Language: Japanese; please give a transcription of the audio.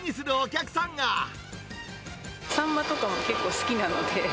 サンマとかも結構好きなので。